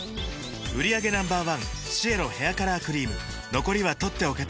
売上№１シエロヘアカラークリーム残りは取っておけて